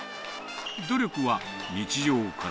努力は日常から。